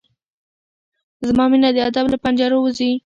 زما مينه د ادب له پنجرو وځي